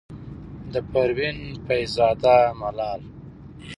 د پروين فيض زاده ملال،